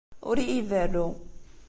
Ur iyi-berru.